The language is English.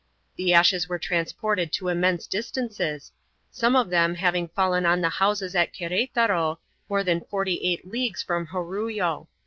The ashes were transported to immense distances, some of them having fallen on the houses at Queretaro, more than forty eight leagues from Jorullo.